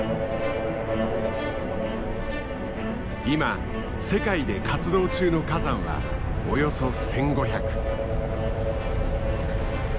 今世界で活動中の火山はおよそ１，５００。